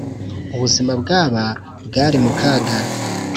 Ubuzima bwaba bwari mu kaga